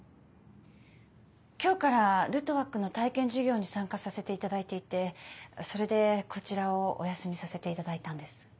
今日からルトワックの体験授業に参加させていただいていてそれでこちらをお休みさせていただいたんです。